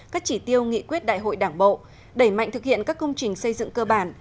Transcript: các chỉ tiêu nghị quyết đại hội đảng bộ đẩy mạnh thực hiện các công trình xây dựng cơ bản